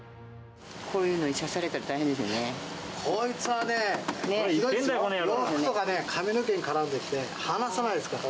こういうのに刺されたら大変こいつはね、洋服とかね、髪の毛に絡んできて、離さないですから。